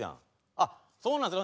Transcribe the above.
あっそうなんですの。